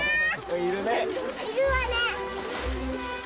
いるわね。